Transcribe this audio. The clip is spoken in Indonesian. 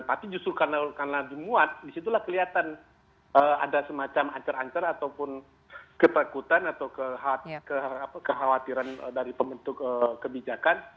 tapi justru karena dimuat disitulah kelihatan ada semacam ancar ancar ataupun ketakutan atau kekhawatiran dari pembentuk kebijakan